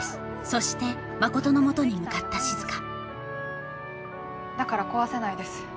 そして真琴のもとに向かった静だから壊せないです